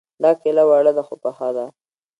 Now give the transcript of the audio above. دا کيله وړه ده خو پخه ده